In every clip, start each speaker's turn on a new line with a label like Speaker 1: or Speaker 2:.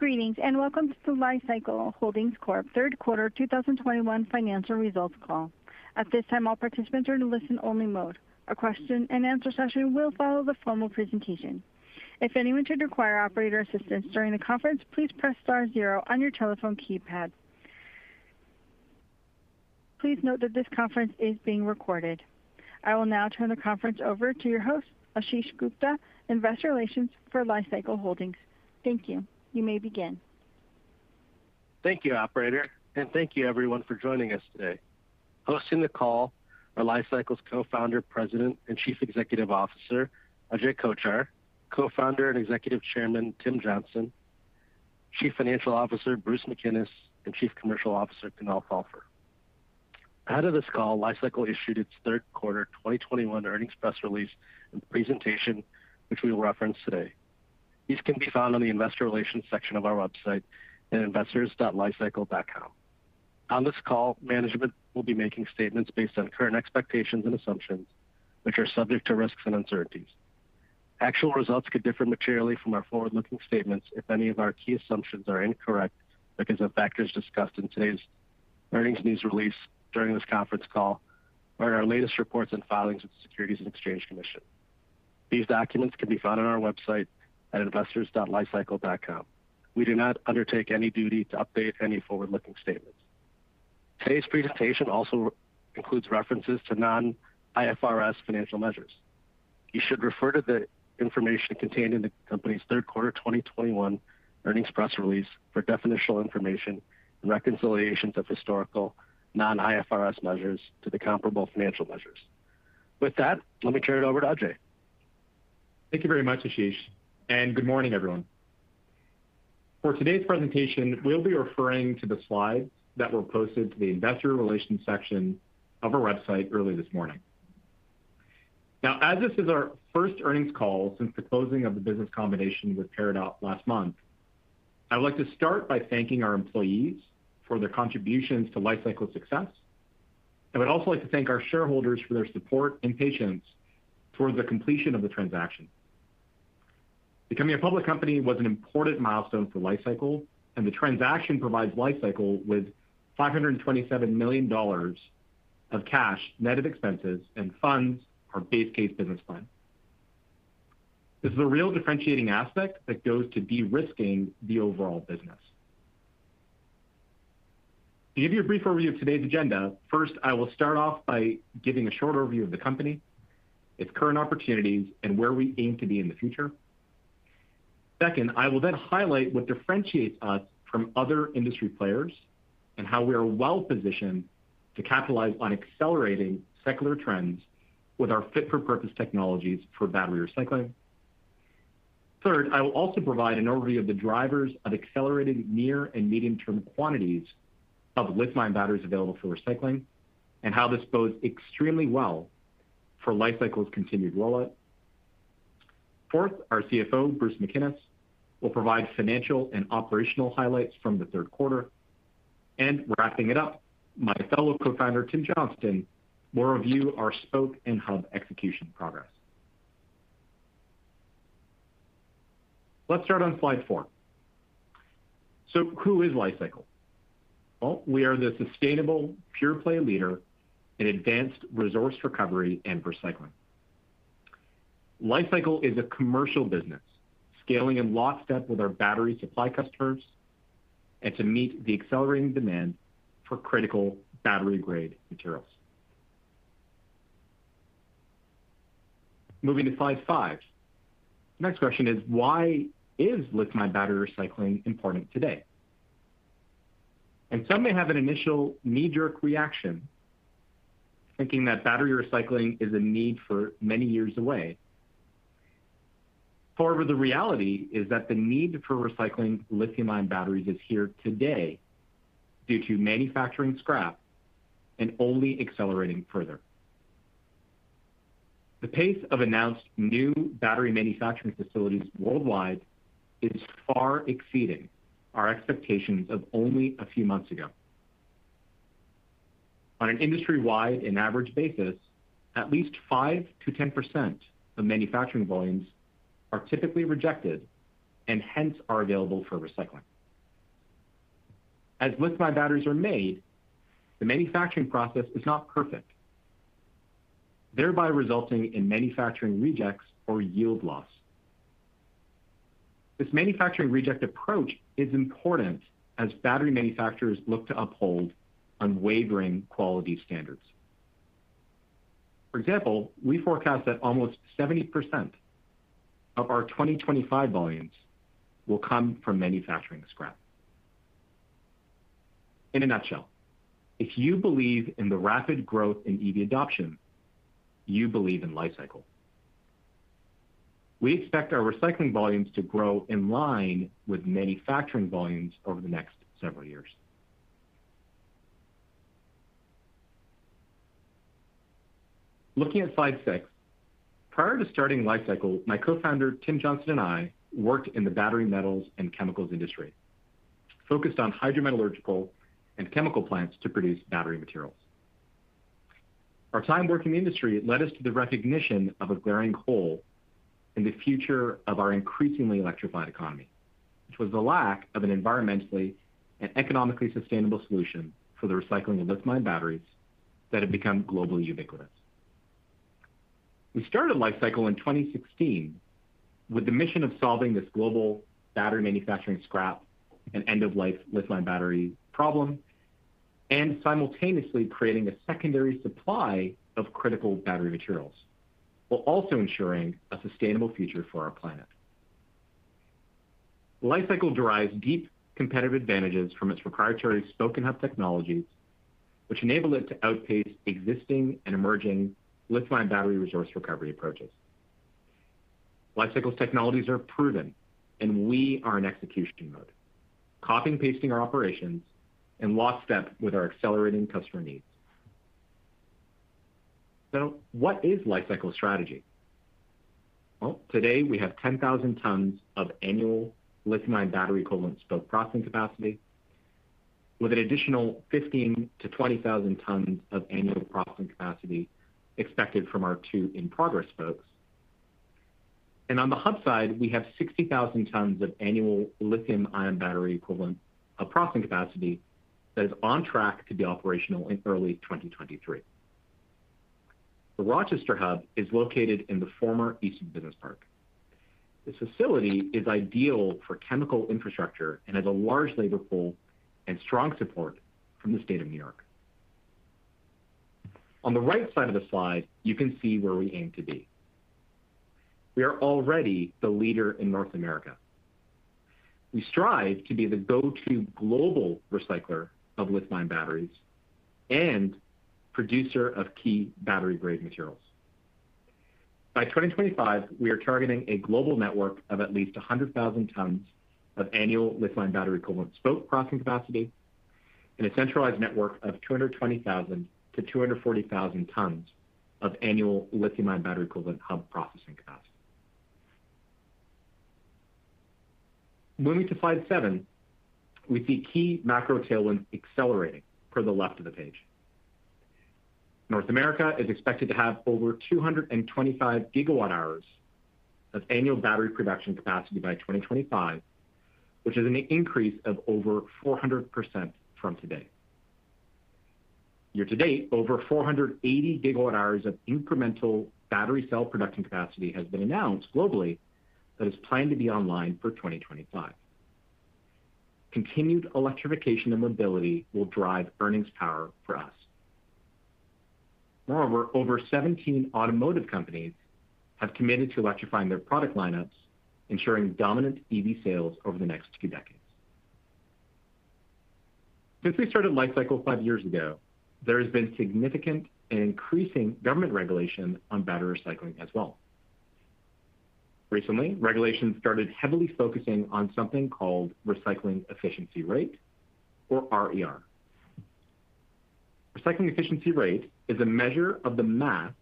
Speaker 1: Greetings, and welcome to the Li-Cycle Holdings Corp Third Quarter 2021 Financial Results Call. At this time all participants are on listen-only mode. A question and answer session will follow the formal presentation. As anyone who require operator assistance during the conference, please press star zero on your telephone keypad. Please note that this conference is being recorded. I will now turn the conference over to your host, Ashish Gupta, investor relations for Li-Cycle Holdings. Thank you. You may begin.
Speaker 2: Thank you, operator. Thank you everyone for joining us today. Hosting the call are Li-Cycle's Co-Founder, President, and Chief Executive Officer, Ajay Kochhar, Co-Founder and Executive Chairman, Tim Johnston, Chief Financial Officer, Bruce MacInnis, and Chief Commercial Officer, Kunal Phalpher. Ahead of this call, Li-Cycle issued its third quarter 2021 earnings press release and presentation, which we will reference today. These can be found on the investor relations section of our website at investors.licycle.com. On this call, management will be making statements based on current expectations and assumptions, which are subject to risks and uncertainties. Actual results could differ materially from our forward-looking statements if any of our key assumptions are incorrect because of factors discussed in today's earnings news release, during this conference call, or in our latest reports and filings with the Securities and Exchange Commission. These documents can be found on our website at investors.licycle.com. We do not undertake any duty to update any forward-looking statements. Today's presentation also includes references to non-IFRS financial measures. You should refer to the information contained in the company's third quarter 2021 earnings press release for definitional information and reconciliations of historical non-IFRS measures to the comparable financial measures. With that, let me turn it over to Ajay.
Speaker 3: Thank you very much, Ashish. Good morning, everyone. For today's presentation, we'll be referring to the slides that were posted to the investor relations section of our website early this morning. Now, as this is our first earnings call since the closing of the business combination with Peridot last month, I would like to start by thanking our employees for their contributions to Li-Cycle's success. I would also like to thank our shareholders for their support and patience towards the completion of the transaction. Becoming a public company was an important milestone for Li-Cycle. The transaction provides Li-Cycle with $527 million of cash, net of expenses and funds our base case business plan. This is a real differentiating aspect that goes to de-risking the overall business. To give you a brief overview of today's agenda, first, I will start off by giving a short overview of the company, its current opportunities, and where we aim to be in the future. I will highlight what differentiates us from other industry players, and how we are well-positioned to capitalize on accelerating secular trends with our fit-for-purpose technologies for battery recycling. I will also provide an overview of the drivers of accelerated near and medium-term quantities of lithium-ion batteries available for recycling, and how this bodes extremely well for Li-Cycle's continued rollout. Our CFO, Bruce MacInnis, will provide financial and operational highlights from the third quarter. Wrapping it up, my fellow co-founder, Tim Johnston, will review our Spoke and Hub execution progress. Let's start on slide four. Who is Li-Cycle? We are the sustainable pure-play leader in advanced resource recovery and recycling. Li-Cycle is a commercial business, scaling in lockstep with our battery supply customers, and to meet the accelerating demand for critical battery-grade materials. Moving to slide five. The next question is, why is lithium-ion battery recycling important today? Some may have an initial knee-jerk reaction, thinking that battery recycling is a need for many years away. However, the reality is that the need for recycling lithium-ion batteries is here today due to manufacturing scrap and only accelerating further. The pace of announced new battery manufacturing facilities worldwide is far exceeding our expectations of only a few months ago. On an industry-wide and average basis, at least 5%-10% of manufacturing volumes are typically rejected, and hence are available for recycling. As lithium-ion batteries are made, the manufacturing process is not perfect, thereby resulting in manufacturing rejects or yield loss. This manufacturing reject approach is important as battery manufacturers look to uphold unwavering quality standards. For example, we forecast that almost 70% of our 2025 volumes will come from manufacturing scrap. In a nutshell, if you believe in the rapid growth in EV adoption, you believe in Li-Cycle. We expect our recycling volumes to grow in line with manufacturing volumes over the next several years. Looking at slide six. Prior to starting Li-Cycle, my co-founder, Tim Johnston, and I worked in the battery, metals, and chemicals industry, focused on hydrometallurgical and chemical plants to produce battery materials. Our time working in the industry led us to the recognition of a glaring hole in the future of our increasingly electrified economy, which was the lack of an environmentally and economically sustainable solution for the recycling of lithium-ion batteries that have become globally ubiquitous. We started Li-Cycle in 2016 with the mission of solving this global battery manufacturing scrap and end-of-life lithium-ion battery problem, and simultaneously creating a secondary supply of critical battery materials, while also ensuring a sustainable future for our planet. Li-Cycle derives deep competitive advantages from its proprietary Spoke & Hub technologies, which enable it to outpace existing and emerging lithium-ion battery resource recovery approaches. Li-Cycle's technologies are proven, and we are in execution mode, copy and pasting our operations in lockstep with our accelerating customer needs. What is Li-Cycle's strategy? Well, today we have 10,000 tons of annual lithium-ion battery equivalent Spoke processing capacity, with an additional 15,000-20,000 tons of annual processing capacity expected from our two in-progress Spokes. On the Hub side, we have 60,000 tons of annual lithium-ion battery equivalent of processing capacity that is on track to be operational in early 2023. The Rochester Hub is located in the former Eastman Business Park. This facility is ideal for chemical infrastructure and has a large labor pool and strong support from the state of New York. On the right side of the slide, you can see where we aim to be. We are already the leader in North America. We strive to be the go-to global recycler of lithium-ion batteries and producer of key battery-grade materials. By 2025, we are targeting a global network of at least 100,000 tons of annual lithium-ion battery equivalent Spoke processing capacity and a centralized network of 220,000-240,000 tons of annual lithium-ion battery equivalent Hub processing capacity. Moving to slide seven, we see key macro tailwinds accelerating per the left of the page. North America is expected to have over 225 GWh of annual battery production capacity by 2025, which is an increase of over 400% from today. Year to date, over 480 GWh of incremental battery cell production capacity has been announced globally that is planned to be online for 2025. Continued electrification and mobility will drive earnings power for us. Over 17 automotive companies have committed to electrifying their product lineups, ensuring dominant EV sales over the next two decades. Since we started Li-Cycle five years ago, there has been significant and increasing government regulation on battery recycling as well. Recently, regulations started heavily focusing on something called recycling efficiency rate, or RER. Recycling efficiency rate is a measure of the mass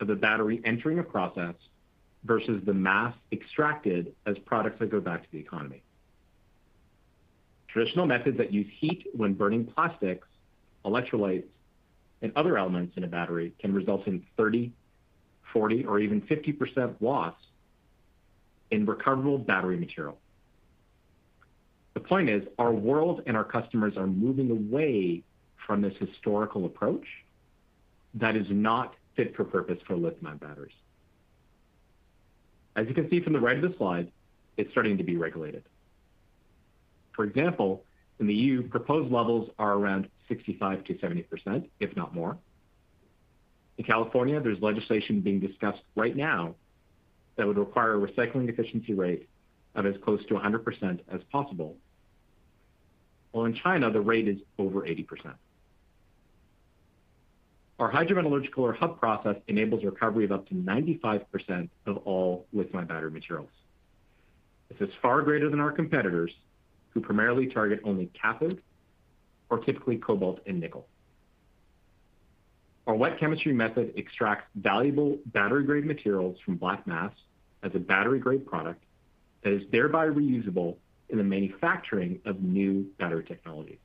Speaker 3: of the battery entering a process versus the mass extracted as products that go back to the economy. Traditional methods that use heat when burning plastics, electrolytes, and other elements in a battery can result in 30%, 40%, or even 50% loss in recoverable battery material. The point is, our world and our customers are moving away from this historical approach that is not fit for purpose for lithium-ion batteries. As you can see from the right of the slide, it's starting to be regulated. For example, in the EU, proposed levels are around 65%-70%, if not more. In California, there's legislation being discussed right now that would require a recycling efficiency rate of as close to 100% as possible. While in China, the rate is over 80%. Our hydrometallurgical or hub process enables recovery of up to 95% of all lithium-ion battery materials. This is far greater than our competitors, who primarily target only cathode or typically cobalt and nickel. Our wet chemistry method extracts valuable battery-grade materials from black mass as a battery-grade product that is thereby reusable in the manufacturing of new battery technologies.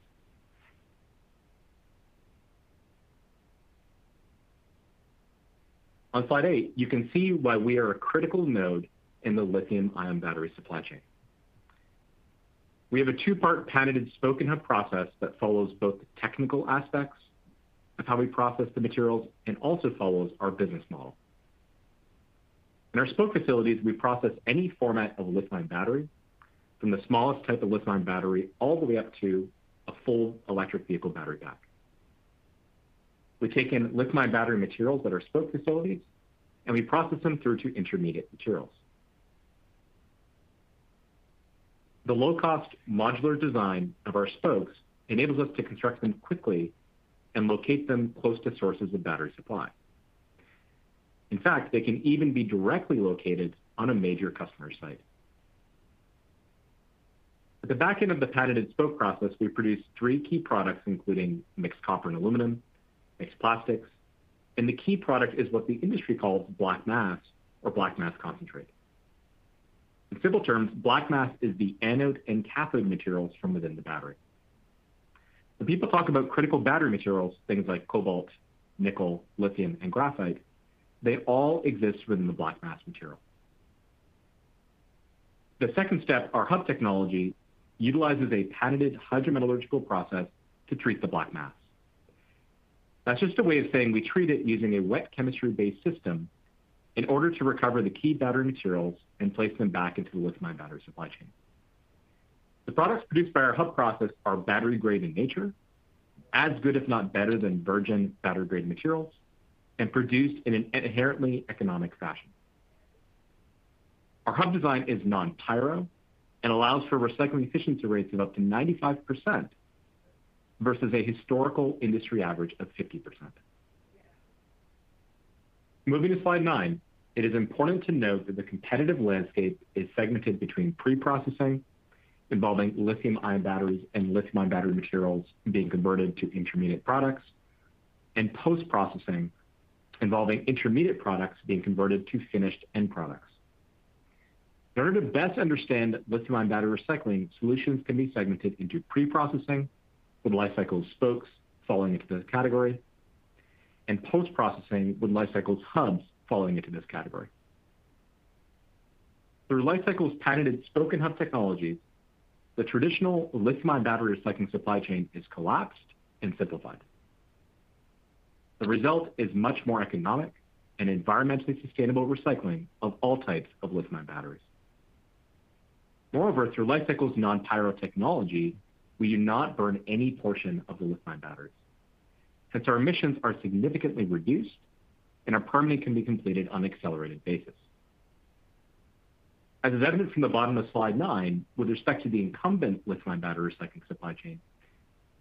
Speaker 3: On slide eight, you can see why we are a critical node in the lithium-ion battery supply chain. We have a two-part patented Spoke & Hub process that follows both the technical aspects of how we process the materials and also follows our business model. In our Spoke facilities, we process any format of lithium-ion battery from the smallest type of lithium-ion battery all the way up to a full electric vehicle battery pack. We take in lithium-ion battery materials at our Spoke facilities, and we process them through to intermediate materials. The low-cost modular design of our Spokes enables us to construct them quickly and locate them close to sources of battery supply. In fact, they can even be directly located on a major customer site. At the back end of the patented Spoke process, we produce three key products, including mixed copper and aluminum, mixed plastics, and the key product is what the industry calls black mass or black mass concentrate. In simple terms, black mass is the anode and cathode materials from within the battery. When people talk about critical battery materials, things like cobalt, nickel, lithium, and graphite, they all exist within the black mass material. The second step, our Hub technology, utilizes a patented hydrometallurgical process to treat the black mass. That's just a way of saying we treat it using a wet chemistry-based system in order to recover the key battery materials and place them back into the lithium-ion battery supply chain. The products produced by our Hub process are battery-grade in nature, as good if not better than virgin battery-grade materials, and produced in an inherently economic fashion. Our Hub design is non-pyro and allows for recycling efficiency rates of up to 95% versus a historical industry average of 50%. Moving to slide nine, it is important to note that the competitive landscape is segmented between pre-processing, involving lithium-ion batteries and lithium-ion battery materials being converted to intermediate products, and post-processing, involving intermediate products being converted to finished end products. In order to best understand lithium-ion battery recycling, solutions can be segmented into pre-processing, with Li-Cycle's Spokes falling into this category, and post-processing, with Li-Cycle's Hubs falling into this category. Through Li-Cycle's patented Spoke & Hub technology, the traditional lithium-ion battery recycling supply chain is collapsed and simplified. The result is much more economic and environmentally sustainable recycling of all types of lithium-ion batteries. Through Li-Cycle's non-pyro technology, we do not burn any portion of the lithium-ion batteries, hence our emissions are significantly reduced, and our permitting can be completed on an accelerated basis. As is evident from the bottom of slide nine, with respect to the incumbent lithium-ion battery recycling supply chain,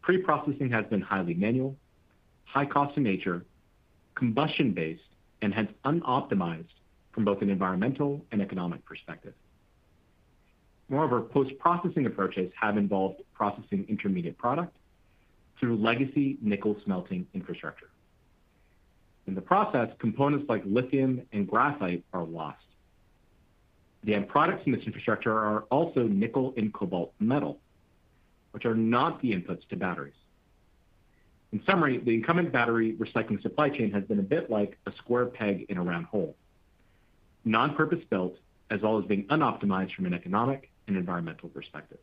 Speaker 3: pre-processing has been highly manual, high cost in nature, combustion-based, and hence unoptimized from both an environmental and economic perspective. Post-processing approaches have involved processing intermediate product through legacy nickel smelting infrastructure. In the process, components like lithium and graphite are lost. The end products in this infrastructure are also nickel and cobalt metal, which are not the inputs to batteries. In summary, the incumbent battery recycling supply chain has been a bit like a square peg in a round hole, non-purpose-built, as well as being unoptimized from an an economic and environmental perspective.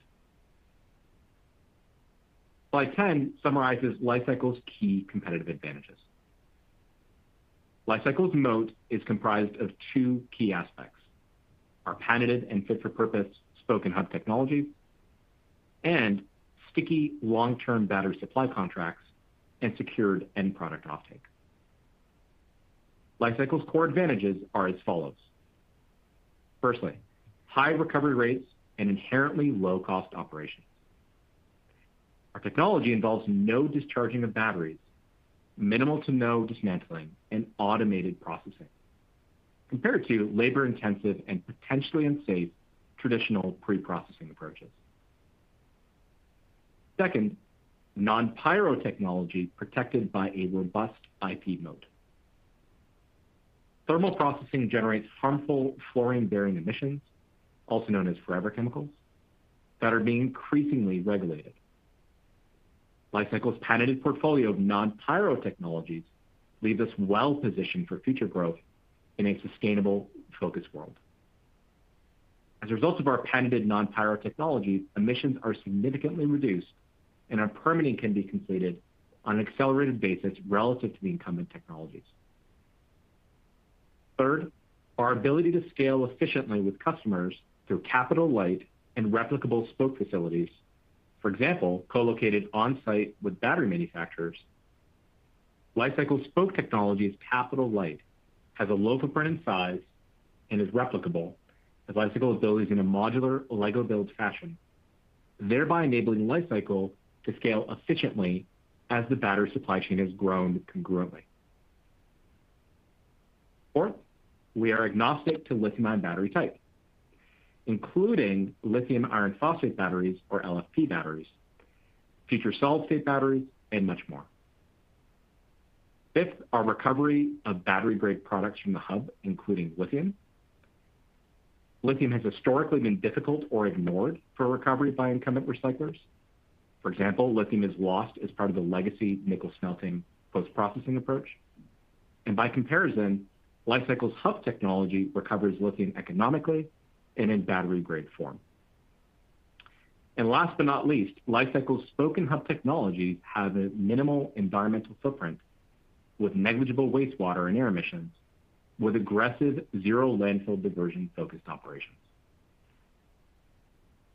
Speaker 3: Slide 10 summarizes Li-Cycle's key competitive advantages. Li-Cycle's moat is comprised of two key aspects. Our patented and fit-for-purpose Spoke & Hub technology and sticky long-term battery supply contracts and secured end product offtake. Li-Cycle's core advantages are as follows. Firstly, high recovery rates and inherently low-cost operations. Our technology involves no discharging of batteries, minimal to no dismantling, and automated processing, compared to labor-intensive and potentially unsafe traditional pre-processing approaches. Second, non-pyro technology protected by a robust IP moat. Thermal processing generates harmful fluorine-bearing emissions, also known as forever chemicals, that are being increasingly regulated. Li-Cycle's patented portfolio of non-pyro technologies leave us well positioned for future growth in a sustainable-focused world. As a result of our patented non-pyro technology, emissions are significantly reduced, and our permitting can be completed on an accelerated basis relative to the incumbent technologies. Third, our ability to scale efficiently with customers through capital-light and replicable Spoke facilities. For example, co-located on-site with battery manufacturers. Li-Cycle's Spoke technology is capital light, has a low footprint and size, and is replicable, as Li-Cycle is built in a modular Lego-built fashion, thereby enabling Li-Cycle to scale efficiently as the battery supply chain has grown congruently. Fourth, we are agnostic to lithium-ion battery types, including lithium iron phosphate batteries or LFP batteries, future solid-state batteries, and much more. Fifth, our recovery of battery-grade products from the Hub, including lithium. Lithium has historically been difficult or ignored for recovery by incumbent recyclers. For example, lithium is lost as part of the legacy nickel smelting post-processing approach. By comparison, Li-Cycle's Hub technology recovers lithium economically and in battery-grade form. Last but not least, Li-Cycle's Spoke-and-Hub technology has a minimal environmental footprint with negligible wastewater and air emissions, with aggressive zero landfill diversion-focused operations.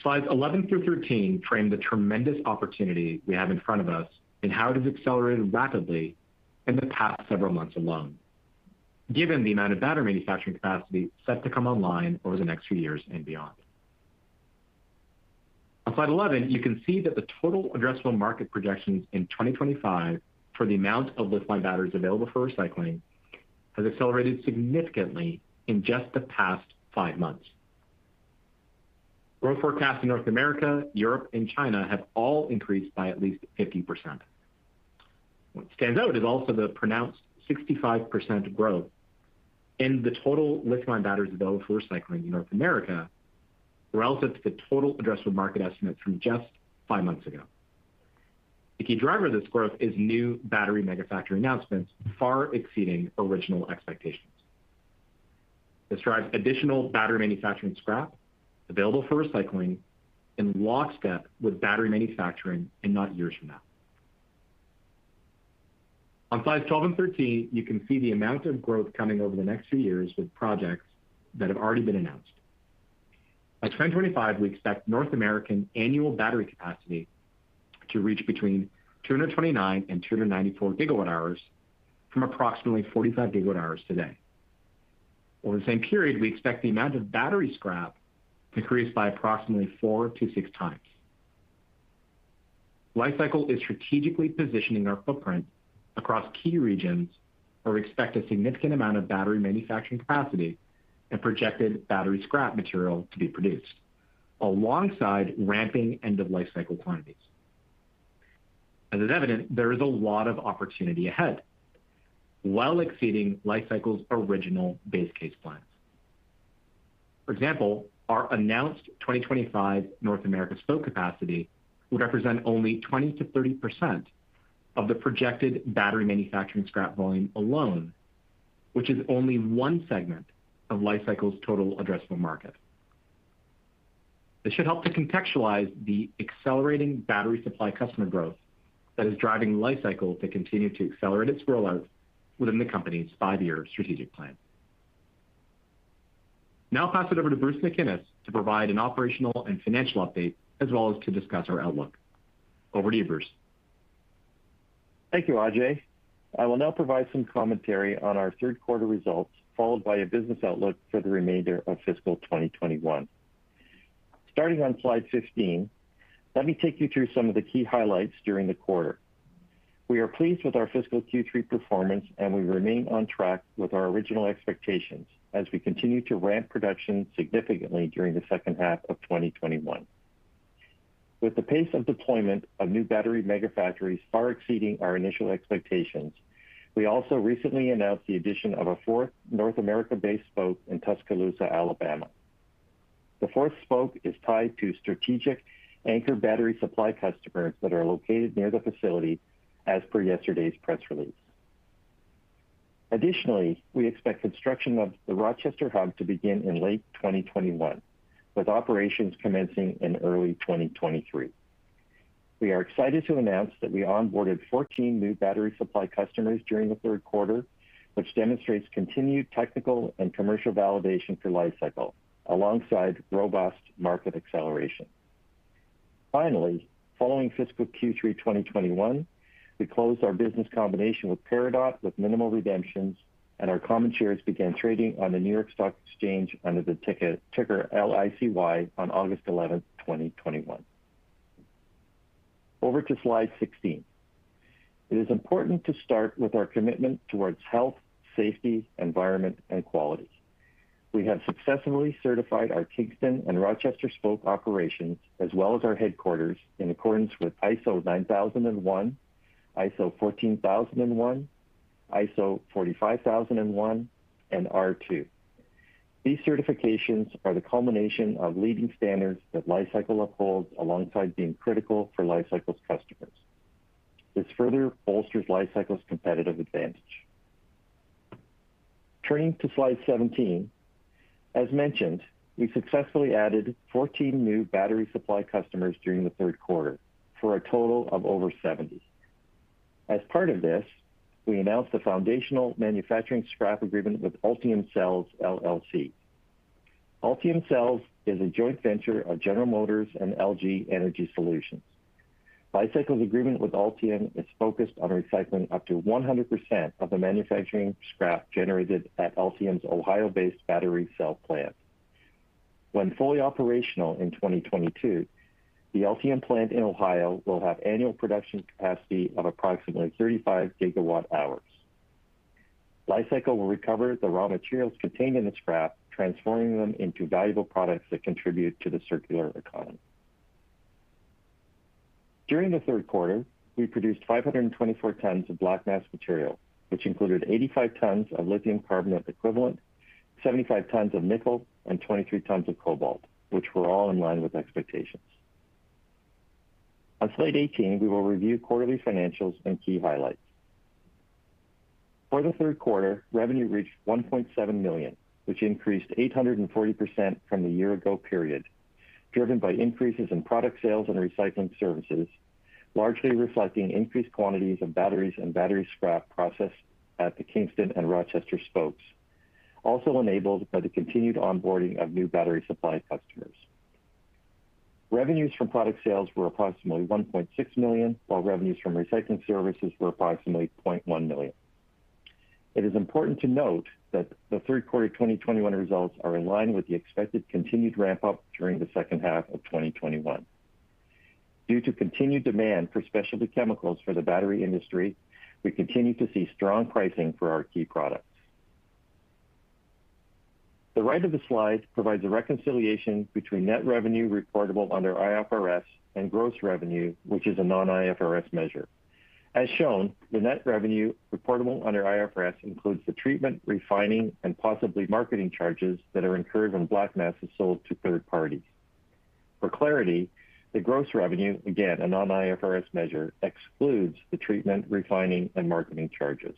Speaker 3: Slides 11 through 13 frame the tremendous opportunity we have in front of us and how it has accelerated rapidly in the past several months alone, given the amount of battery manufacturing capacity set to come online over the next few years and beyond. On slide 11, you can see that the total addressable market projections in 2025 for the amount of lithium-ion batteries available for recycling has accelerated significantly in just the past five months. Growth forecasts in North America, Europe, and China have all increased by at least 50%. What stands out is also the pronounced 65% growth in the total lithium-ion batteries available for recycling in North America, relative to the total addressable market estimate from just five months ago. The key driver of this growth is new battery megafactory announcements far exceeding original expectations. This drives additional battery manufacturing scrap available for recycling in lockstep with battery manufacturing, and not years from now. On slides 12 and 13, you can see the amount of growth coming over the next few years with projects that have already been announced. By 2025, we expect North American annual battery capacity to reach between 229 and 294 GWh from approximately 45 GWh today. Over the same period, we expect the amount of battery scrap to increase by approximately four to six times. Li-Cycle is strategically positioning our footprint across key regions where we expect a significant amount of battery manufacturing capacity and projected battery scrap material to be produced, alongside ramping end-of-life cycle quantities. As is evident, there is a lot of opportunity ahead, while exceeding Li-Cycle's original base case plans. For example, our announced 2025 North America spoke capacity would represent only 20%-30% of the projected battery manufacturing scrap volume alone, which is only one segment of Li-Cycle's total addressable market. This should help to contextualize the accelerating battery supply customer growth that is driving Li-Cycle to continue to accelerate its rollout within the company's five-year strategic plan. I'll pass it over to Bruce MacInnis to provide an operational and financial update, as well as to discuss our outlook. Over to you, Bruce.
Speaker 4: Thank you, Ajay. I will now provide some commentary on our third quarter results, followed by a business outlook for the remainder of fiscal 2021. Starting on slide 15, let me take you through some of the key highlights during the quarter. We are pleased with our fiscal Q3 performance, and we remain on track with our original expectations as we continue to ramp production significantly during the second half of 2021. With the pace of deployment of new battery megafactories far exceeding our initial expectations, we also recently announced the addition of a fourth North America-based Spoke in Tuscaloosa, Alabama. The fourth Spoke is tied to strategic anchor battery supply customers that are located near the facility, as per yesterday's press release. Additionally, we expect construction of the Rochester Hub to begin in late 2021, with operations commencing in early 2023. We are excited to announce that we onboarded 14 new battery supply customers during the third quarter, which demonstrates continued technical and commercial validation for Li-Cycle, alongside robust market acceleration. Following fiscal Q3 2021, we closed our business combination with Peridot with minimal redemptions, and our common shares began trading on the New York Stock Exchange under the ticker LICY on August 11, 2021. Over to slide 16. It is important to start with our commitment towards health, safety, environment and quality. We have successfully certified our Kingston and Rochester spoke operations, as well as our headquarters, in accordance with ISO 9001, ISO 14001, ISO 45001, and R2. These certifications are the culmination of leading standards that Li-Cycle upholds, alongside being critical for Li-Cycle's customers. This further bolsters Li-Cycle's competitive advantage. Turning to slide 17. As mentioned, we successfully added 14 new battery supply customers during the third quarter, for a total of over 70. As part of this, we announced the foundational manufacturing scrap agreement with Ultium Cells LLC. Ultium Cells is a joint venture of General Motors and LG Energy Solution. Li-Cycle's agreement with Ultium is focused on recycling up to 100% of the manufacturing scrap generated at Ultium's Ohio-based battery cell plant. When fully operational in 2022, the Ultium plant in Ohio will have annual production capacity of approximately 35 GWh. Li-Cycle will recover the raw materials contained in the scrap, transforming them into valuable products that contribute to the circular economy. During the third quarter, we produced 524 tons of black mass material, which included 85 tons of lithium carbonate equivalent, 75 tons of nickel, and 23 tons of cobalt, which were all in line with expectations. On slide 18, we will review quarterly financials and key highlights. For the third quarter, revenue reached $1.7 million, which increased 840% from the year ago period, driven by increases in product sales and recycling services, largely reflecting increased quantities of batteries and battery scrap processed at the Kingston and Rochester Spokes. Also enabled by the continued onboarding of new battery supply customers. Revenues from product sales were approximately $1.6 million, while revenues from recycling services were approximately $0.1 million. It is important to note that the third quarter 2021 results are in line with the expected continued ramp up during the second half of 2021. Due to continued demand for specialty chemicals for the battery industry, we continue to see strong pricing for our key products. The right of the slide provides a reconciliation between net revenue reportable under IFRS and gross revenue, which is a non-IFRS measure. As shown, the net revenue reportable under IFRS includes the treatment, refining, and possibly marketing charges that are incurred when black mass is sold to third parties. For clarity, the gross revenue, again, a non-IFRS measure, excludes the treatment, refining, and marketing charges.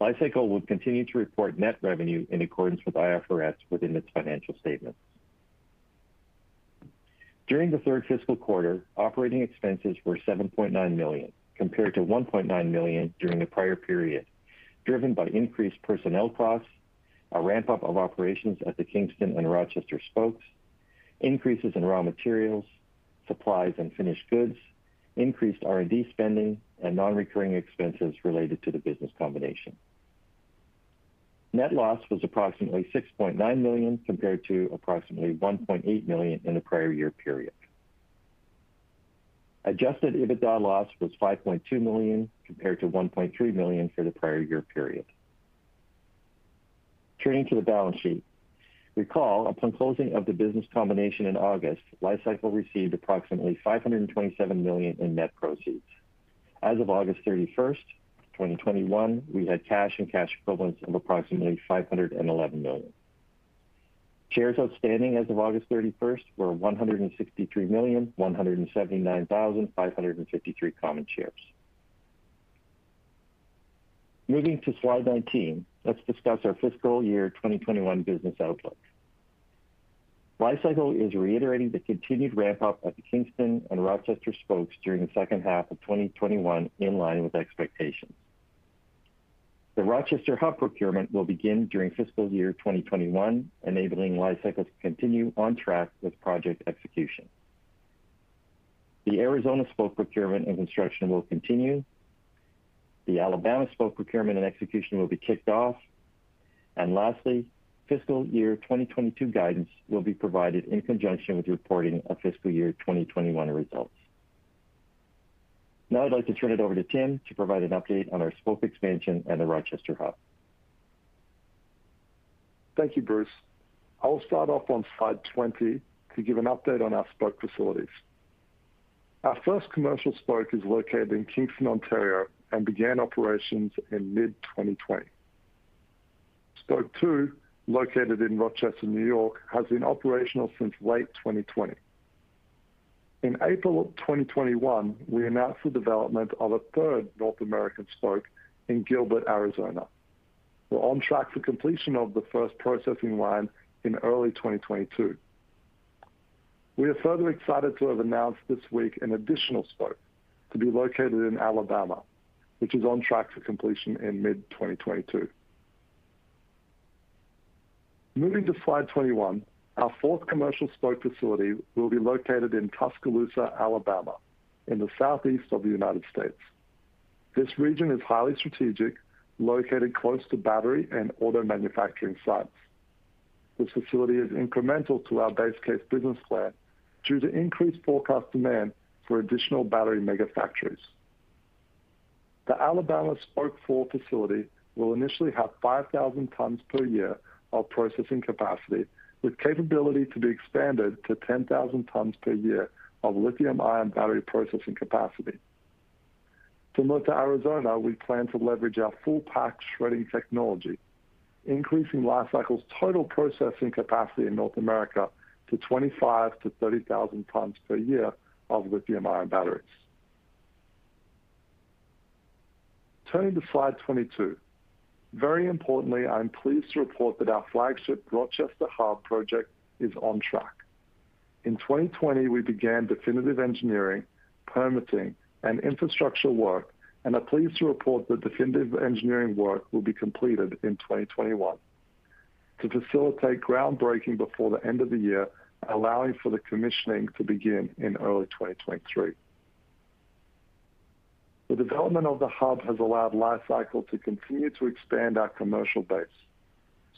Speaker 4: Li-Cycle will continue to report net revenue in accordance with IFRS within its financial statements. During the third fiscal quarter, operating expenses were $7.9 million, compared to $1.9 million during the prior period, driven by increased personnel costs, a ramp-up of operations at the Kingston and Rochester Spokes, increases in raw materials, supplies, and finished goods, increased R&D spending, and non-recurring expenses related to the business combination. Net loss was approximately $6.9 million compared to approximately $1.8 million in the prior year period. Adjusted EBITDA loss was $5.2 million compared to $1.3 million for the prior year period. Turning to the balance sheet. Recall, upon closing of the business combination in August, Li-Cycle received approximately $527 million in net proceeds. As of August 31st, 2021, we had cash and cash equivalents of approximately $511 million. Shares outstanding as of August 31st were $163,179,553 common shares. Moving to slide 19, let's discuss our fiscal year 2021 business outlook. Li-Cycle is reiterating the continued ramp-up at the Kingston and Rochester Spokes during the second half of 2021 in line with expectations. The Rochester Hub procurement will begin during fiscal year 2021, enabling Li-Cycle to continue on track with project execution. The Arizona Spoke procurement and construction will continue. The Alabama Spoke procurement and execution will be kicked off. Lastly, fiscal year 2022 guidance will be provided in conjunction with reporting of fiscal year 2021 results. Now I'd like to turn it over to Tim Johnston to provide an update on our Spoke expansion and the Rochester Hub.
Speaker 5: Thank you, Bruce. I will start off on slide 20 to give an update on our spoke facilities. Our first commercial spoke is located in Kingston, Ontario, and began operations in mid-2020. Spoke two, located in Rochester, New York, has been operational since late 2020. In April of 2021, we announced the development of a third North American spoke in Gilbert, Arizona. We're on track for completion of the first processing line in early 2022. We are further excited to have announced this week an additional spoke to be located in Alabama, which is on track for completion in mid-2022. Moving to slide 21. Our fourth commercial spoke facility will be located in Tuscaloosa, Alabama, in the southeast of the United States. This region is highly strategic, located close to battery and auto manufacturing sites. This facility is incremental to our base case business plan due to increased forecast demand for additional battery megafactories. The Alabama Spoke four facility will initially have 5,000 tons per year of processing capacity, with capability to be expanded to 10,000 tons per year of lithium iron phosphate battery processing capacity. Similar to Arizona, we plan to leverage our full pack shredding technology, increasing Li-Cycle's total processing capacity in North America to 25,000-30,000 tons per year of lithium iron phosphate batteries. Turning to slide 22. Very importantly, I am pleased to report that our flagship Rochester Hub project is on track. In 2020, we began definitive engineering, permitting, and infrastructure work. We are pleased to report that definitive engineering work will be completed in 2021 to facilitate groundbreaking before the end of the year, allowing for the commissioning to begin in early 2023. The development of the hub has allowed Li-Cycle to continue to expand our commercial base,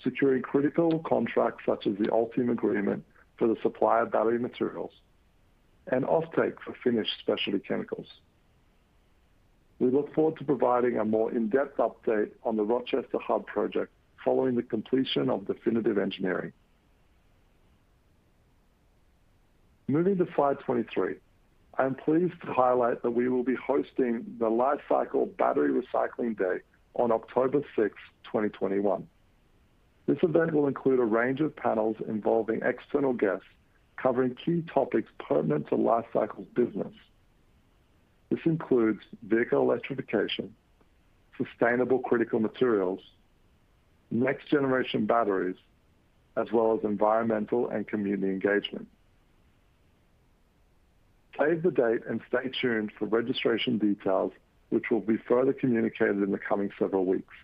Speaker 5: securing critical contracts such as the Ultium agreement for the supply of battery materials and offtake for finished specialty chemicals. We look forward to providing a more in-depth update on the Rochester Hub project following the completion of definitive engineering. Moving to slide 23. I am pleased to highlight that we will be hosting the Li-Cycle Battery Recycling Day on October 6th, 2021. This event will include a range of panels involving external guests covering key topics pertinent to Li-Cycle's business. This includes vehicle electrification, sustainable critical materials, next generation batteries, as well as environmental and community engagement. Save the date and stay tuned for registration details, which will be further communicated in the coming several weeks.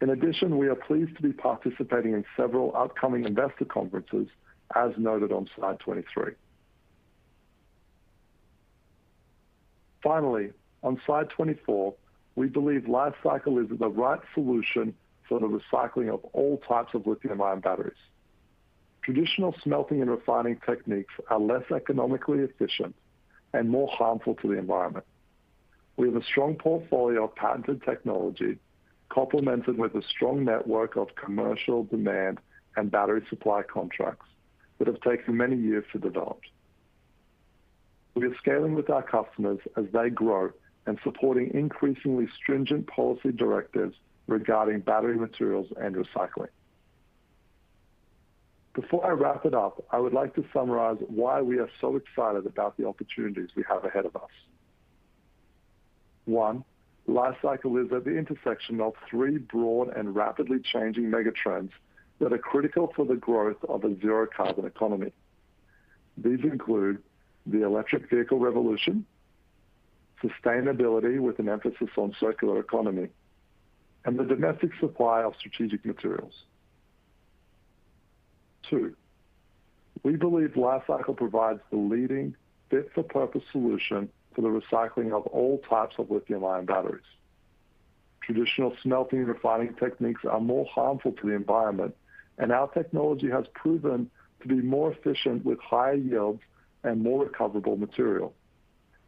Speaker 5: In addition, we are pleased to be participating in several upcoming investor conferences, as noted on slide 23. Finally, on slide 24, we believe Li-Cycle is the right solution for the recycling of all types of lithium-ion batteries. Traditional smelting and refining techniques are less economically efficient and more harmful to the environment. We have a strong portfolio of patented technology, complemented with a strong network of commercial demand and battery supply contracts that have taken many years to develop. We are scaling with our customers as they grow and supporting increasingly stringent policy directives regarding battery materials and recycling. Before I wrap it up, I would like to summarize why we are so excited about the opportunities we have ahead of us. One, Li-Cycle is at the intersection of three broad and rapidly changing mega trends that are critical for the growth of a zero carbon economy. These include the electric vehicle revolution, sustainability with an emphasis on circular economy, and the domestic supply of strategic materials. Two, we believe Li-Cycle provides the leading fit-for-purpose solution for the recycling of all types of lithium-ion batteries. Traditional smelting and refining techniques are more harmful to the environment, and our technology has proven to be more efficient with higher yields and more recoverable material,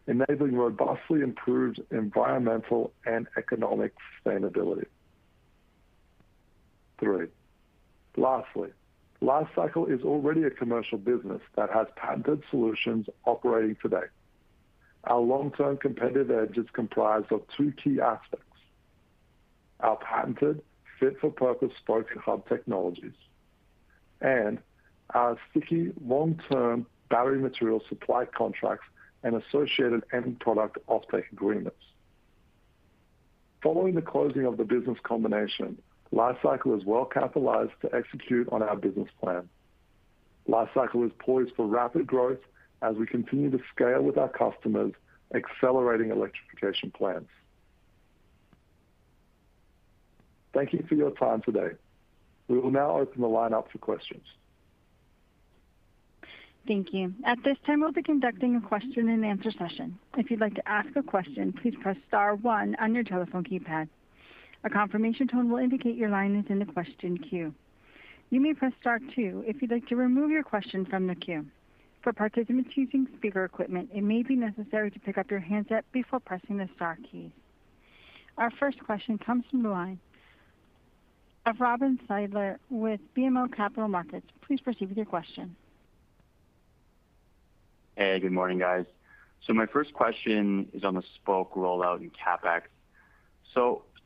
Speaker 5: enabling robustly improved environmental and economic sustainability. Three, lastly, Li-Cycle is already a commercial business that has patented solutions operating today. Our long-term competitive edge is comprised of two key aspects: our patented fit-for-purpose Spoke & Hub technologies and our sticky long-term battery material supply contracts and associated end product offtake agreements. Following the closing of the business combination, Li-Cycle is well-capitalized to execute on our business plan. Li-Cycle is poised for rapid growth as we continue to scale with our customers, accelerating electrification plans. Thank you for your time today. We will now open the line up for questions.
Speaker 1: Thank you. At this time, we'll be conducting a question and answer session. If you'd like to ask a question, please press star one on your telephone keypad. A confirmation tone will indicate your line is in the question queue. You may press star two if you'd like to remove your question from the queue. For participants using speaker equipment, it may be necessary to pick up your handset before pressing the star key. Our first question comes from the line of Robin Fiedler with BMO Capital Markets. Please proceed with your question.
Speaker 6: Hey, good morning, guys. My first question is on the Spoke rollout and CapEx.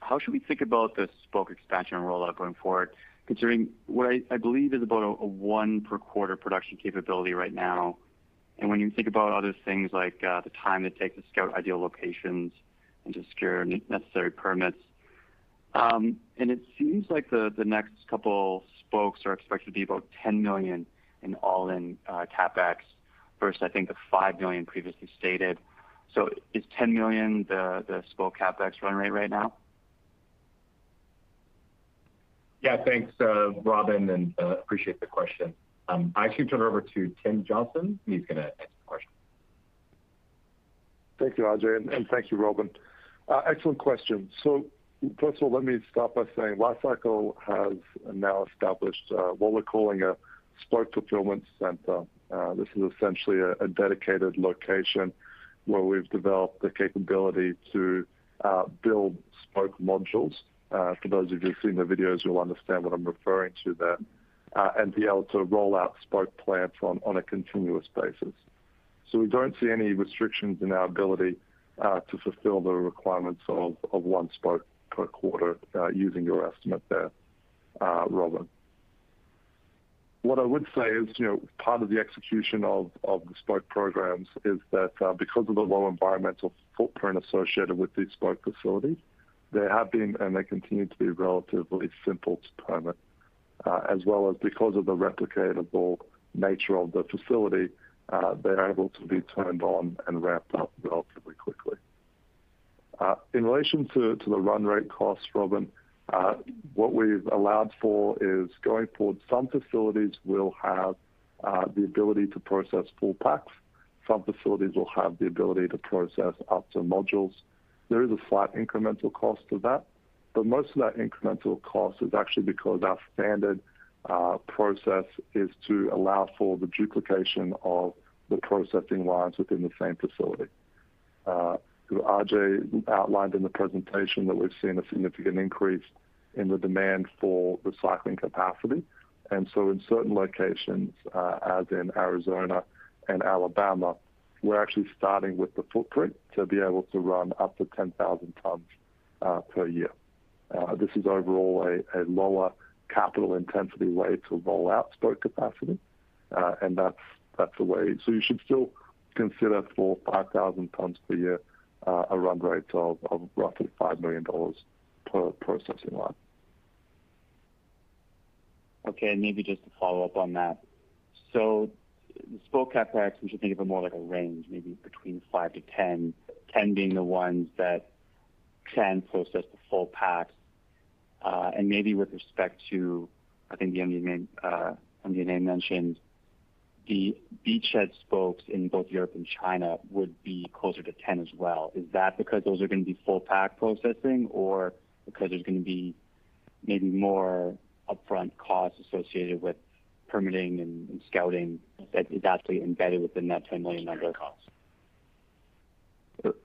Speaker 6: How should we think about the Spoke expansion rollout going forward, considering what I believe is about a one per quarter production capability right now, and when you think about other things like the time it takes to scout ideal locations and to secure necessary permits. It seems like the next couple Spokes are expected to be about $10 million in all-in CapEx versus I think the $5 million previously stated. Is $10 million the Spoke CapEx run rate right now?
Speaker 3: Thanks, Robin, and appreciate the question. I actually turn it over to Tim Johnston. He's going to answer the question.
Speaker 5: Thank you, Ajay, and thank you, Robin. Excellent question. First of all, let me start by saying Li-Cycle has now established what we're calling a Spoke fulfillment center. This is essentially a dedicated location where we've developed the capability to build Spoke modules. For those of you who've seen the videos, you'll understand what I'm referring to there, and be able to roll out Spoke plants on a continuous basis. We don't see any restrictions in our ability to fulfill the requirements of one Spoke per quarter using your estimate there, Robin. What I would say is, part of the execution of the Spoke programs is that because of the low environmental footprint associated with these Spoke facilities, they have been and they continue to be relatively simple to permit, as well as because of the replicatable nature of the facility, they're able to be turned on and ramped up relatively quickly. In relation to the run rate costs, Robin, what we've allowed for is going forward, some facilities will have the ability to process full packs. Some facilities will have the ability to process up to modules. There is a slight incremental cost to that, but most of that incremental cost is actually because our standard process is to allow for the duplication of the processing lines within the same facility. Ajay outlined in the presentation that we've seen a significant increase in the demand for recycling capacity. In certain locations, as in Arizona and Alabama, we're actually starting with the footprint to be able to run up to 10,000 tons per year. This is overall a lower capital intensity way to roll out Spoke capacity, and that's the way. You should still consider for 5,000 tons per year, a run rate of roughly $5 million per processing line.
Speaker 6: Maybe just to follow up on that. The Spoke CapEx, we should think of it more like a range, maybe between 5 to 10 being the ones that can process the full packs. Maybe with respect to, I think Ajay mentioned the beachhead spokes in both Europe and China would be closer to 10 as well. Is that because those are going to be full pack processing or because there's going to be maybe more upfront costs associated with permitting and scouting that is actually embedded within that $10 million number?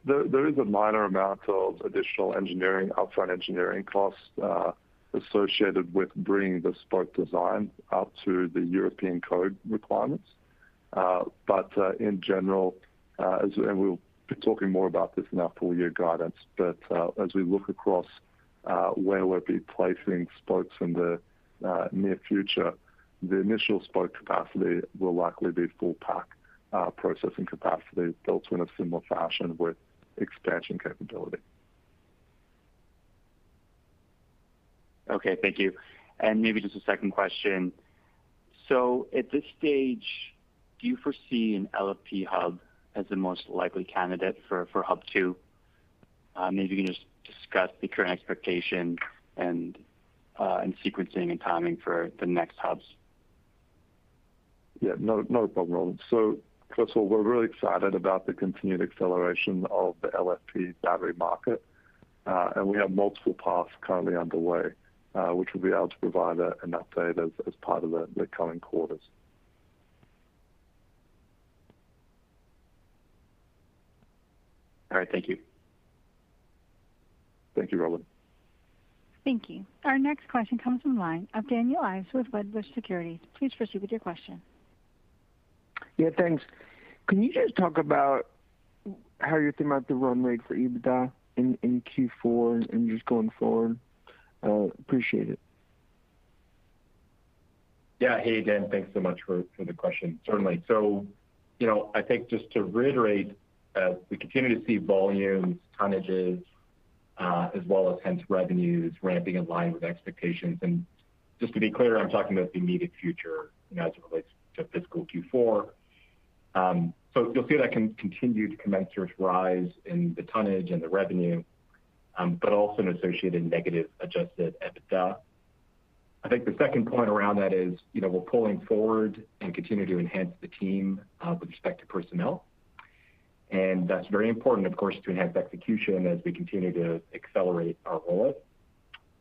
Speaker 5: There is a minor amount of additional upfront engineering costs associated with bringing the Spoke design up to the European code requirements. In general, and we'll be talking more about this in our full year guidance, but as we look across where we'll be placing Spokes in the near future, the initial Spoke capacity will likely be full pack processing capacity built in a similar fashion with expansion capability.
Speaker 6: Thank you. Maybe just a second question. At this stage, do you foresee an LFP hub as the most likely candidate for hub 2? Maybe you can just discuss the current expectation and sequencing and timing for the next hubs.
Speaker 5: Yeah. No problem, Robin. First of all, we're really excited about the continued acceleration of the LFP battery market. We have multiple paths currently underway, which we'll be able to provide an update as part of the coming quarters.
Speaker 6: All right. Thank you.
Speaker 5: Thank you, Robin.
Speaker 1: Thank you. Our next question comes from the line of Daniel Ives with Wedbush Securities. Please proceed with your question.
Speaker 7: Yeah, thanks. Can you just talk about how you're thinking about the run rate for EBITDA in Q4 and just going forward? Appreciate it.
Speaker 3: Yeah. Hey, Dan. Thanks so much for the question. Certainly. I think just to reiterate, we continue to see volumes, tonnages, as well as hence revenues ramping in line with expectations. Just to be clear, I'm talking about the immediate future, as it relates to fiscal Q4. You'll see that continued commensurate rise in the tonnage and the revenue, but also an associated negative Adjusted EBITDA. I think the second point around that is, we're pulling forward and continue to enhance the team, with respect to personnel. That's very important, of course, to enhance execution as we continue to accelerate our rollout.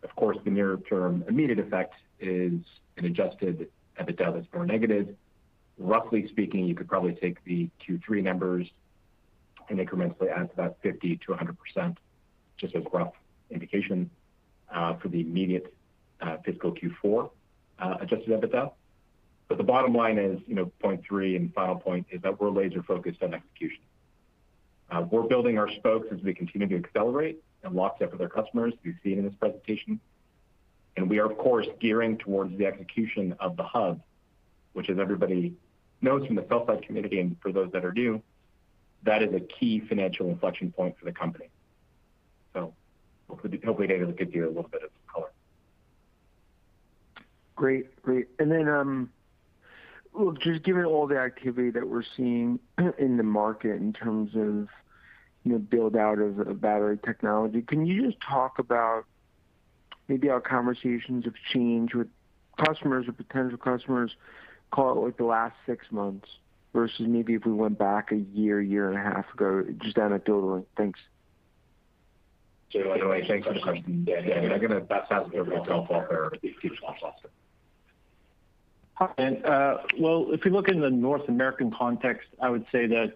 Speaker 3: Of course, the near-term immediate effect is an Adjusted EBITDA that's more negative. Roughly speaking, you could probably take the Q3 numbers and incrementally add to that 50%-100%, just as rough indication for the immediate fiscal Q4 Adjusted EBITDA. The bottom line is, point three and final point is that we're laser focused on execution. We're building our spokes as we continue to accelerate and lock step with our customers. You've seen it in this presentation. We are, of course, gearing towards the execution of the hub, which as everybody knows from the sell-side community and for those that are new, that is a key financial inflection point for the company. Hopefully, Daniel, that gives you a little bit of color.
Speaker 7: Great. Well, just given all the activity that we're seeing in the market in terms of build-out of battery technology, can you just talk about maybe how conversations have changed with customers or potential customers call it like the last six months versus maybe if we went back a year and a half ago, just anecdotally? Thanks.
Speaker 3: Sure. No worries. Thanks for the question, Dan. Yeah, I'm going to bounce that one over to our CFO, Bruce, to talk about.
Speaker 4: Hi. Well, if you look in the North American context, I would say that,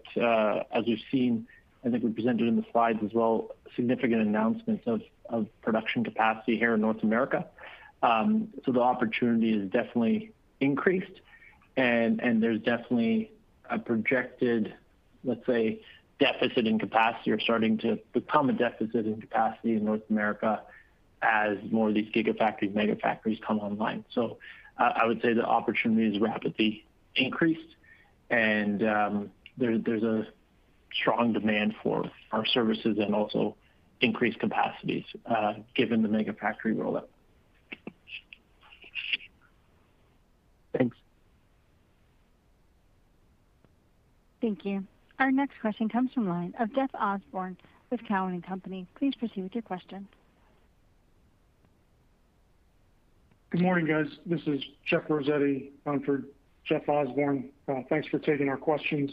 Speaker 4: as you've seen, I think we presented in the slides as well, significant announcements of production capacity here in North America. The opportunity has definitely increased and there's definitely a projected, let's say, deficit in capacity or starting to become a deficit in capacity in North America as more of these gigafactories, megafactories come online. I would say the opportunity has rapidly increased and there's a strong demand for our services and also increased capacities, given the megafactory rollout.
Speaker 7: Thanks.
Speaker 1: Thank you. Our next question comes from line of Jeff Osborne with Cowen and Company. Please proceed with your question.
Speaker 8: Good morning, guys. This is Jeffrey Rossetti on for Jeff Osborne. Thanks for taking our questions.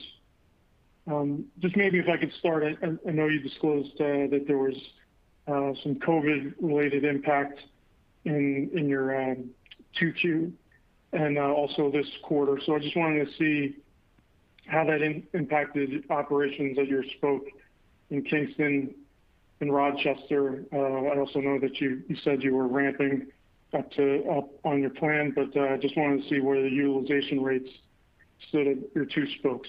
Speaker 8: Just maybe if I could start at, I know you disclosed that there was some COVID related impact in your Q2 and also this quarter. I just wanted to see how that impacted operations at your Spoke in Kingston and Rochester. I also know that you said you were ramping back up on your plan, I just wanted to see where the utilization rates sit at your two Spokes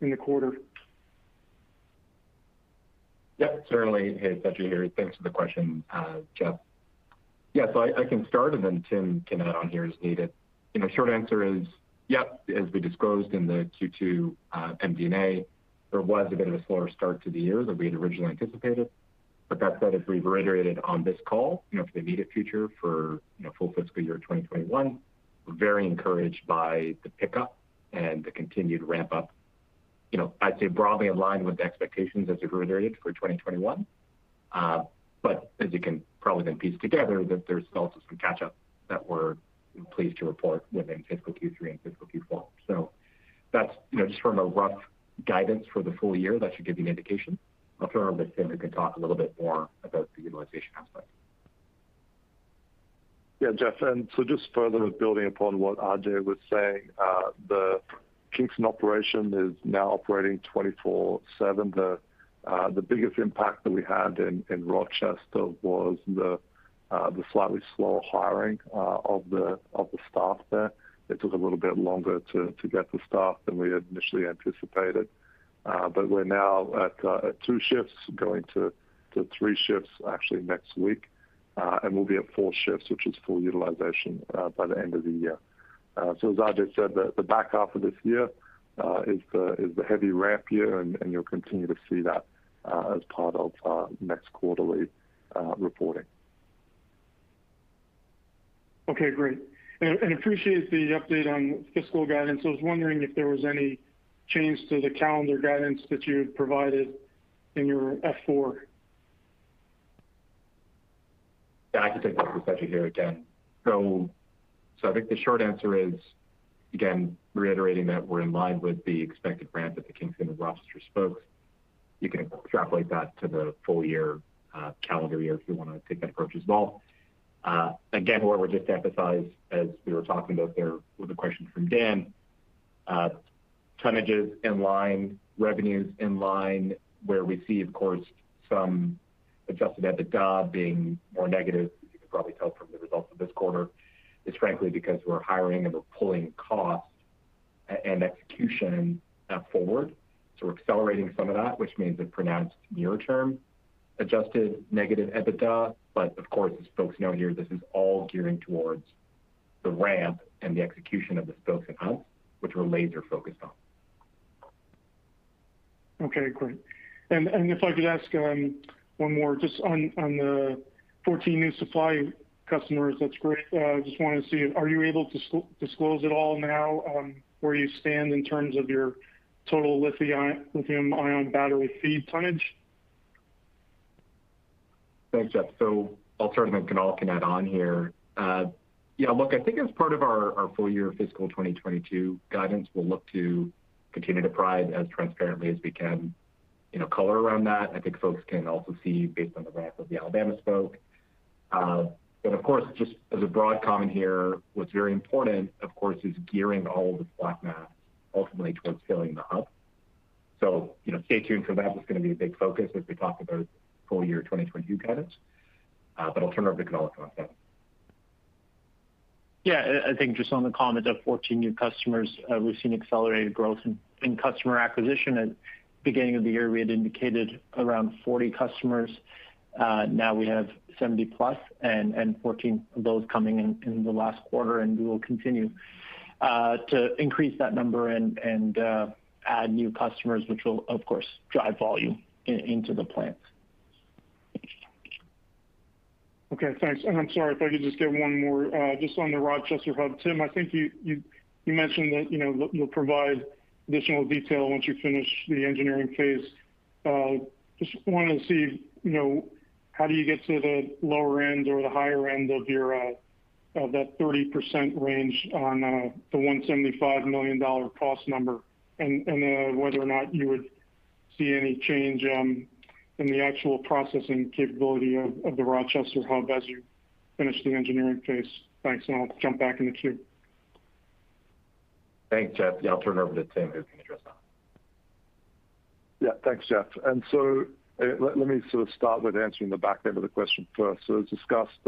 Speaker 8: in the quarter.
Speaker 3: Yep, certainly. Hey, it's Ajay here. Thanks for the question, Jeff. I can start and then Tim can add on here as needed. Short answer is, yep, as we disclosed in the Q2 MD&A, there was a bit of a slower start to the year than we had originally anticipated. That said, as we've reiterated on this call, for the immediate future for full fiscal year 2021, we're very encouraged by the pickup and the continued ramp-up. I'd say broadly in line with the expectations as we heard earlier for 2021. As you can probably then piece together, that there's also some catch-up that we're pleased to report within fiscal Q3 and fiscal Q4. That's just from a rough guidance for the full year that should give you an indication. I'll turn over to Tim, who can talk a little bit more about the utilization aspect.
Speaker 5: Yeah, Jeff. Just further building upon what Ajay was saying, the Kingston operation is now operating 24/7. The biggest impact that we had in Rochester was the slightly slower hiring of the staff there. It took a little bit longer to get the staff than we had initially anticipated. We're now at two shifts, going to three shifts actually next week. We'll be at four shifts, which is full utilization, by the end of the year. As Ajay said, the back half of this year is the heavy ramp here, and you'll continue to see that as part of our next quarterly reporting.
Speaker 8: Okay, great. Appreciate the update on fiscal guidance. I was wondering if there was any change to the calendar guidance that you had provided in your S-4.
Speaker 4: Yeah, I can take that for Ajay here again. I think the short answer is, again, reiterating that we're in line with the expected ramp at the Kingston and Rochester spokes. You can extrapolate that to the full year, calendar year, if you want to take that approach as well. Again, what we'll just emphasize as we were talking about there with the question from Dan, tonnages in line, revenues in line, where we see, of course, some Adjusted EBITDA being more negative, as you can probably tell from the results of this quarter, is frankly because we're hiring and we're pulling costs and execution forward. We're accelerating some of that, which means a pronounced near term Adjusted negative EBITDA. Of course, as folks know here, this is all gearing towards the ramp and the execution of the Spoke & Hub, which we're laser focused on.
Speaker 8: Okay, great. If I could ask one more just on the 14 new supply customers. That's great. Just wanted to see, are you able to disclose at all now where you stand in terms of your total lithium-ion battery feed tonnage?
Speaker 3: Thanks, Jeff. I'll turn it over to Kunal to add on here. Yeah, look, I think as part of our full year fiscal 2022 guidance, we'll look to continue to provide as transparently as we can color around that. I think folks can also see based on the ramp of the Alabama Spoke. Of course, just as a broad comment here, what's very important, of course, is gearing all of the black mass ultimately towards filling the Hub. Stay tuned for that. That's going to be a big focus as we talk about full year 2022 guidance. I'll turn over to Kunal to talk to that.
Speaker 9: I think just on the comment of 14 new customers, we've seen accelerated growth in customer acquisition. At beginning of the year, we had indicated around 40 customers. Now we have 70+ and 14 of those coming in the last quarter. We will continue to increase that number and add new customers, which will, of course, drive volume into the plants.
Speaker 8: Okay, thanks. I'm sorry if I could just get one more, just on the Rochester Hub. Tim, I think you mentioned that you'll provide additional detail once you finish the engineering phase. Just wanted to see how do you get to the lower end or the higher end of that 30% range on the $175 million cost number? Whether or not you would see any change in the actual processing capability of the Rochester Hub as you finish the engineering phase. Thanks. I'll jump back in the queue.
Speaker 3: Thanks, Jeff. Yeah, I'll turn over to Tim, who can address that.
Speaker 5: Yeah. Thanks, Jeff. Let me sort of start with answering the back end of the question first. As discussed,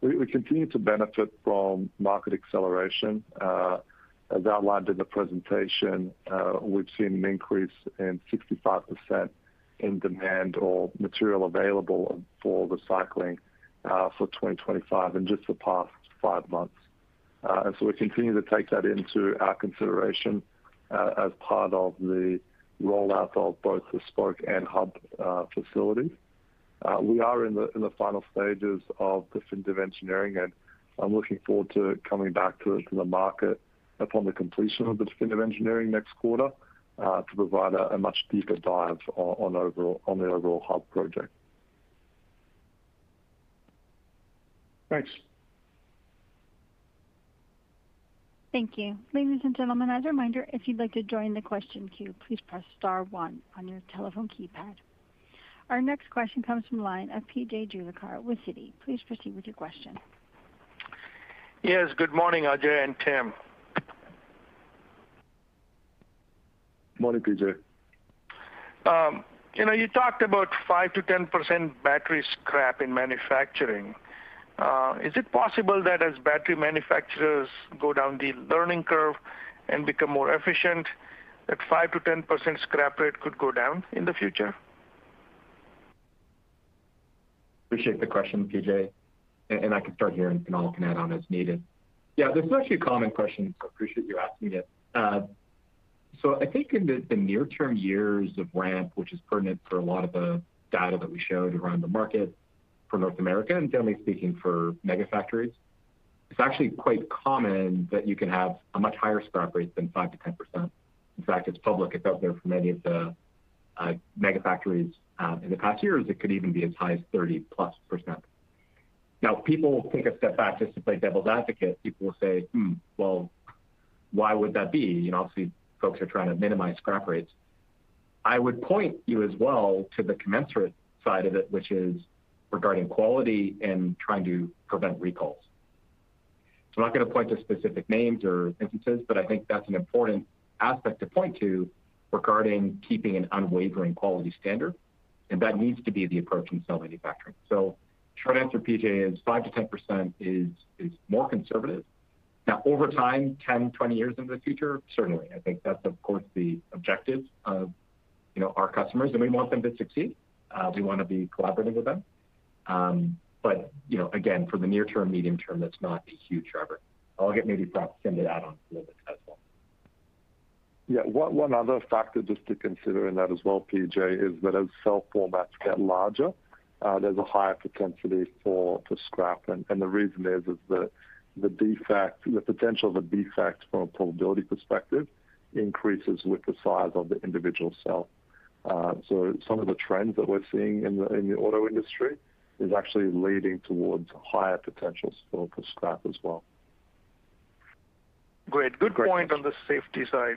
Speaker 5: we continue to benefit from market acceleration. As outlined in the presentation, we've seen an increase in 65% in demand or material available for recycling for 2025 in just the past five months. We continue to take that into our consideration as part of the rollout of both the Spoke & Hub facilities. We are in the final stages of definitive engineering, and I'm looking forward to coming back to the market upon the completion of the definitive engineering next quarter, to provide a much deeper dive on the overall Hub project.
Speaker 8: Thanks.
Speaker 1: Thank you. Ladies and gentlemen, as a reminder, if you'd like to join the question queue, please press star one on your telephone keypad. Our next question comes from the line of P.J. Juvekar with Citi. Please proceed with your question.
Speaker 10: Yes. Good morning, Ajay and Tim.
Speaker 5: Morning, P.J.
Speaker 10: You talked about 5%-10% battery scrap in manufacturing. Is it possible that as battery manufacturers go down the learning curve and become more efficient, that 5%-10% scrap rate could go down in the future?
Speaker 3: Appreciate the question, P.J. I can start here, and Kunal can add on as needed. Yeah, this is actually a common question, appreciate you asking it. I think in the near term years of ramp, which is pertinent for a lot of the data that we showed around the market for North America and generally speaking for megafactories. It's actually quite common that you can have a much higher scrap rate than 5%-10%. In fact, it's public. It's out there for many of the megafactories. In the past years, it could even be as high as 30%+. Now, people will take a step back just to play devil's advocate. People will say, well, why would that be? Obviously, folks are trying to minimize scrap rates. I would point you as well to the commensurate side of it, which is regarding quality and trying to prevent recalls. I'm not going to point to specific names or instances, but I think that's an important aspect to point to regarding keeping an unwavering quality standard, and that needs to be the approach in cell manufacturing. Short answer, P.J., is 5%-10% is more conservative. Now, over time, 10, 20 years into the future, certainly. I think that's, of course, the objective of our customers, and we want them to succeed. We want to be collaborative with them. Again, for the near term, medium term, that's not a huge driver. I'll get maybe Scott to send it out on a little bit as well.
Speaker 5: Yeah. One other factor just to consider in that as well, P.J., is that as cell formats get larger, there's a higher propensity for scrap. The reason is that the potential of a defect from a probability perspective increases with the size of the individual cell. Some of the trends that we're seeing in the auto industry is actually leading towards higher potentials for scrap as well.
Speaker 10: Great. Good point on the safety side.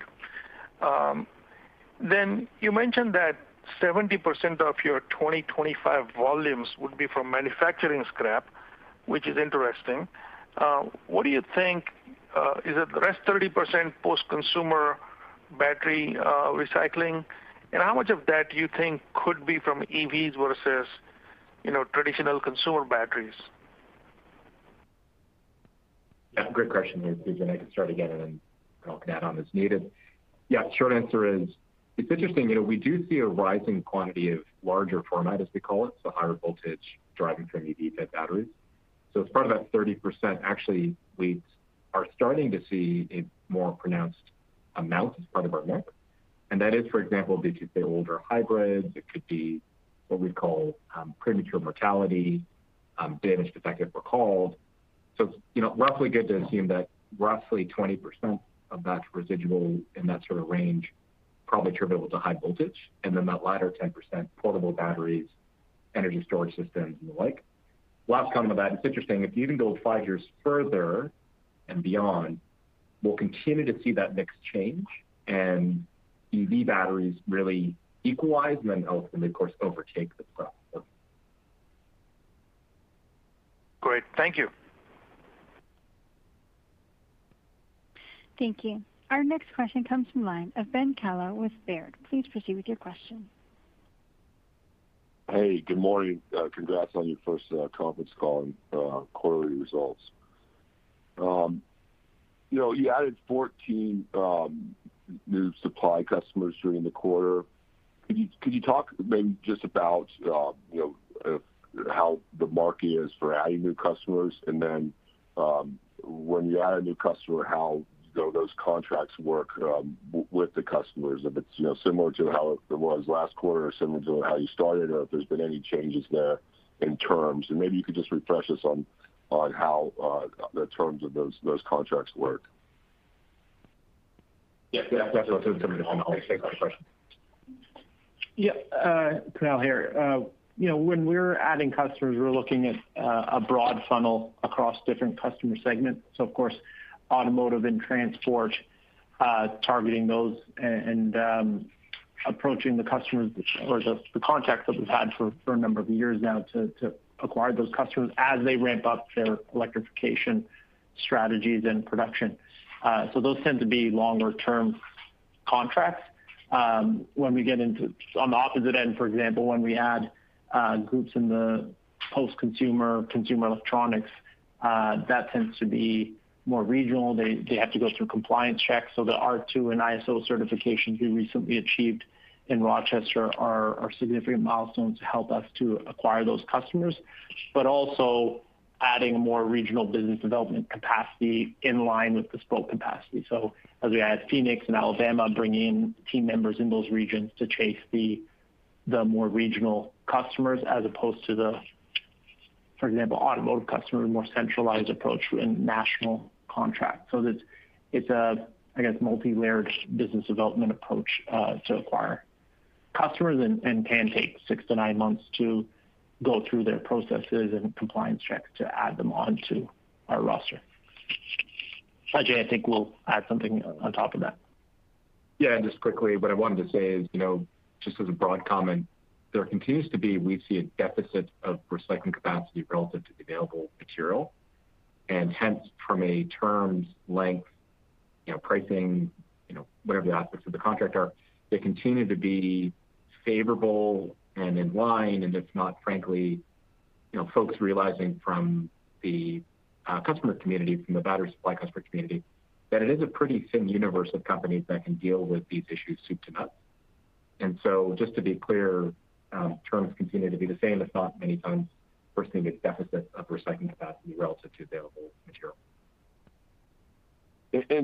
Speaker 10: You mentioned that 70% of your 2025 volumes would be from manufacturing scrap, which is interesting. What do you think, is the rest 30% post-consumer battery recycling? How much of that do you think could be from EVs versus traditional consumer batteries?
Speaker 3: Great question there, P.J. I can start again, and then Kunal can add on as needed. Short answer is, it's interesting. We do see a rising quantity of larger format, as we call it, so higher voltage drivetrain EV fit batteries. As part of that 30%, actually, we are starting to see a more pronounced amount as part of our mix. That is, for example, due to, say, older hybrids. It could be what we'd call premature mortality, damaged, defective, recalled. Roughly good to assume that roughly 20% of that residual in that sort of range probably attributable to high voltage. Then that latter 10%, portable batteries, energy storage systems, and the like. Last comment on that, it's interesting. If you even go five years further and beyond, we'll continue to see that mix change and EV batteries really equalize and then ultimately, of course, overtake the process.
Speaker 10: Great. Thank you.
Speaker 1: Thank you. Our next question comes from the line of Ben Kallo with Baird. Please proceed with your question.
Speaker 11: Hey, good morning. Congrats on your first conference call and quarterly results. You added 14 new supply customers during the quarter. Could you talk maybe just about how the market is for adding new customers? Then, when you add a new customer, how those contracts work with the customers, if it's similar to how it was last quarter or similar to how you started, or if there's been any changes there in terms. Maybe you could just refresh us on how the terms of those contracts work.
Speaker 3: Yeah. I'm going to let Scott come in on the next part of the question.
Speaker 9: Kunal here. When we're adding customers, we're looking at a broad funnel across different customer segments. Of course, automotive and transport, targeting those and approaching the customers or the contacts that we've had for a number of years now to acquire those customers as they ramp up their electrification strategies and production. Those tend to be longer-term contracts. On the opposite end, for example, when we add groups in the post-consumer, consumer electronics, that tends to be more regional. They have to go through compliance checks. The R2 and ISO certifications we recently achieved in Rochester are significant milestones to help us to acquire those customers, but also adding more regional business development capacity in line with the Spoke capacity. As we add Phoenix and Alabama, bringing team members in those regions to chase the more regional customers as opposed to the, for example, automotive customer, more centralized approach in national contracts. It's a, I guess, multilayered business development approach to acquire customers and can take six to nine months to go through their processes and compliance checks to add them onto our roster. Ajay I think will add something on top of that.
Speaker 3: Yeah. Just quickly, what I wanted to say is, just as a broad comment, there continues to be, we see a deficit of recycling capacity relative to the available material. Hence, from a terms, length, pricing, whatever the aspects of the contract are, they continue to be favorable and in line. It's not frankly folks realizing from the customer community, from the battery supply customer community, that it is a pretty thin universe of companies that can deal with these issues soup to nuts. Just to be clear, terms continue to be the same. It's not many times reflecting a deficit of recycling capacity relative to available material.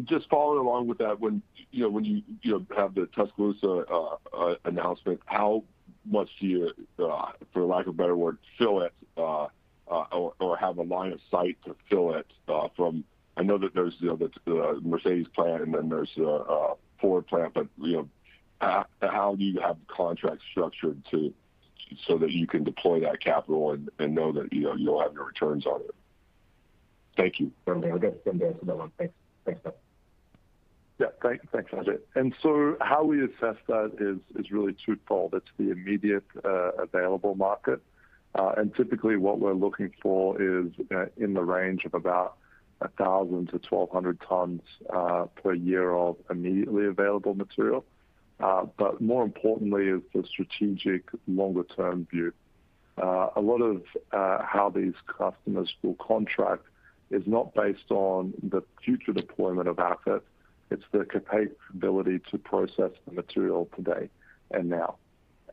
Speaker 11: Just following along with that, when you have the Tuscaloosa announcement, how much do you, for lack of a better word, fill it, or have a line of sight to fill it? I know that there's the Mercedes-Benz plant and then there's the Ford plant, but how do you have the contract structured so that you can deploy that capital and know that you'll have your returns on it? Thank you.
Speaker 3: Okay. I'll get to Tim there for that one. Thanks, Ben.
Speaker 5: Yeah. Thanks, Ajay. How we assess that is really twofold. It's the immediate available market, and typically what we're looking for is in the range of about 1,000-1,200 tons per year of immediately available material. More importantly is the strategic longer-term view. A lot of how these customers will contract is not based on the future deployment of assets, it's their capability to process the material today and now.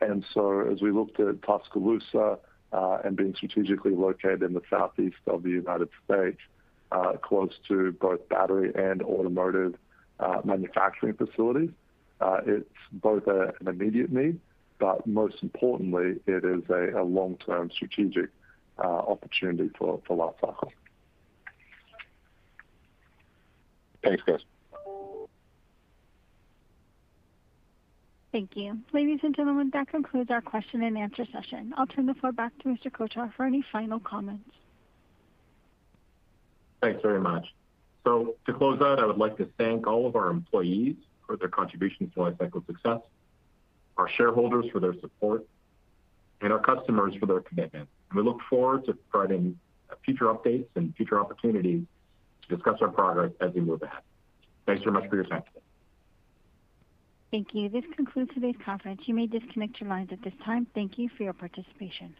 Speaker 5: As we looked at Tuscaloosa, and being strategically located in the southeast of the U.S., close to both battery and automotive manufacturing facilities, it's both an immediate need, but most importantly, it is a long-term strategic opportunity for Li-Cycle.
Speaker 11: Thanks, guys.
Speaker 1: Thank you. Ladies and gentlemen, that concludes our question and answer session. I'll turn the floor back to Mr. Kochhar for any final comments.
Speaker 3: Thanks very much. To close out, I would like to thank all of our employees for their contributions to Li-Cycle's success, our shareholders for their support, and our customers for their commitment. We look forward to providing future updates and future opportunities to discuss our progress as we move ahead. Thanks very much for your time today.
Speaker 1: Thank you. This concludes today's conference. You may disconnect your lines at this time. Thank you for your participation.